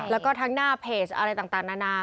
แล้วก็ทั้งหน้าเพจอะไรต่างนานา